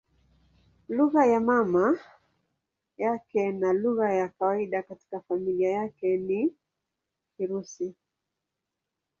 Lugha ya mama yake na lugha ya kawaida katika familia yake ni Kirusi.